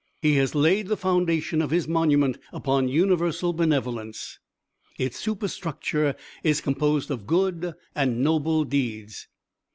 He has laid the foundation of his monument upon universal benevolence. Its superstructure is composed of good and noble deeds.